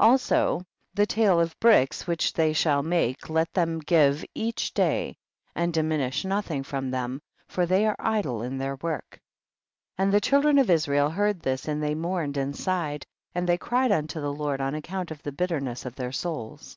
13. Also the tale of bricks which they shall make let them give each day, and diminish nothing from them, for they are idle in their work. 14. And the children of Israel heard this, and they mourned and sighed, and they cried unto the Lord on account of the bitterness of their souls.